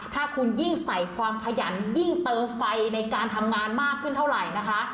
ถ้าคุณยิ่งใส่ความขยันยิ่งเติมไฟในการทำงานมากขึ้นเท่าไหร่นะคะ